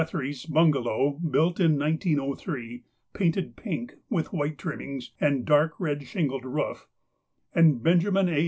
Guthrie's bungalow, built in 1903, painted pink, with white trimmings, and dark red shingled roof, and Beuj. A.